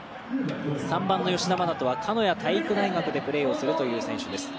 ３番の吉田真那斗は鹿屋体育大学でプレーをするという選手です。